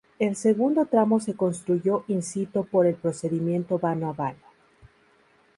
El segundo tramo se construyó in situ por el procedimiento vano a vano.